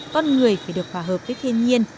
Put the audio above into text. con người phải được hòa hợp với thiên nhiên